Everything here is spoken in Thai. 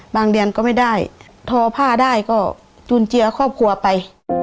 เดือนก็ไม่ได้ทอผ้าได้ก็จุนเจือครอบครัวไป